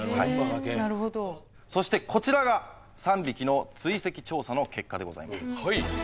そしてこちらが３匹の追跡調査の結果でございます。